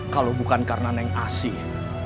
kalau bukan karena neng asih